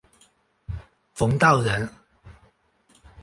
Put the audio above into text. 冯道人。